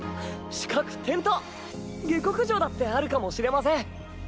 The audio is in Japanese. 主客転倒下剋上だってあるかもしれません。